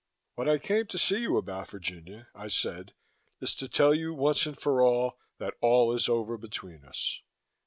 "What I came to see you about, Virginia," I said, "is to tell you, once and for all, that all is over between us."